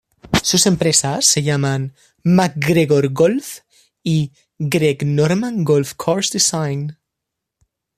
Sus empresas se llaman MacGregor Golf y Greg Norman Golf Course Design.